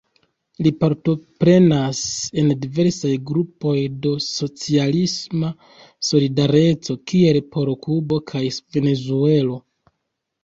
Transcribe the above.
Li partoprenas en diversaj grupoj de "socialisma solidareco", kiel por Kubo kaj Venezuelo.